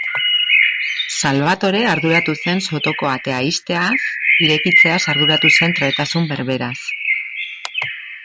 Salvatore arduratu zen sotoko atea ixteaz, irekitzeaz arduratu zen trebetasun berberaz.